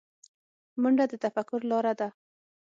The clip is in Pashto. منډه د تفکر لاره ده